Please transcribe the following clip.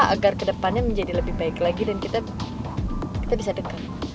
agar kedepannya menjadi lebih baik lagi dan kita bisa dekat